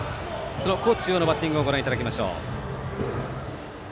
高知中央のバッティングをご覧いただきましょう。